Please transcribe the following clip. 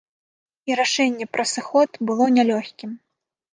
І рашэнне пра сыход было нялёгкім.